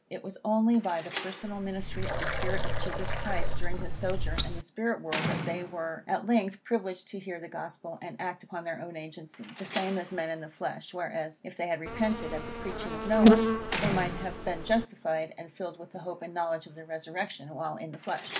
It was only by the personal ministry of the spirit of Jesus Christ, during his sojourn in the spirit world, that they were at length privileged to hear the Gospel, and to act upon their own agency, the same as men in the flesh; whereas, if they had repented at the preaching of Noah, they might have been justified, and filled with the hope and knowledge of the resurrection while in the flesh.